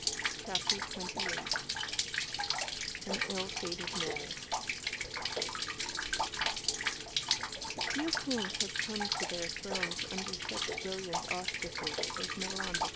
CHAPTER XXVIII AN ILL FATED MARRIAGE Few Kings have come to their thrones under such brilliant auspices as Milan I.